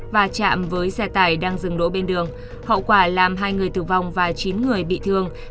và chạm với xe tải đang dừng đỗ bên đường hậu quả làm hai người tử vong và chín người bị thương